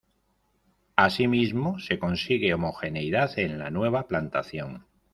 Asimismo, se consigue homogeneidad en la nueva plantación.